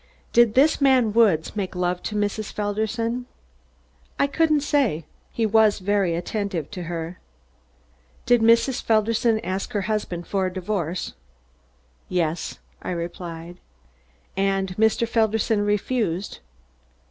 "Did this man Woods make love to Mrs. Felderson?" "I couldn't say. He was very attentive to her." "Did Mrs. Felderson ask her husband to divorce her?" "Yes," I replied. "And Mr. Felderson refused?"